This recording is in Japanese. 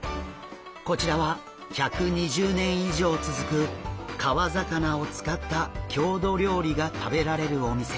こちらは１２０年以上続く川魚を使った郷土料理が食べられるお店。